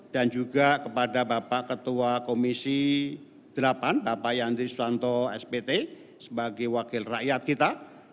dan juga kepada bapak ketua komisi delapan bapak yandri suwanto spt sebagai wakil rakyat kita